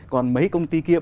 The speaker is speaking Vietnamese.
còn mấy công ty kia